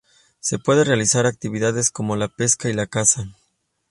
Se puede realizar actividades como la pesca y la caza.